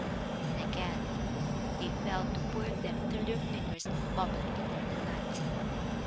And again they fell to pouring them through their fingers and babbling in their delight.